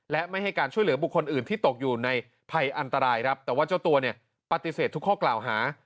ด้วยเหลือบุคคลอื่นที่ตกอยู่ในภัยอันตรายแต่ว่าเจ้าตัวปฏิเสธทุกข้อกล่าวหา